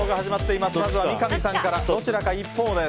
まずは三上さんからどちらか一方です。